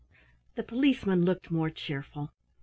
The Policeman looked more cheerful.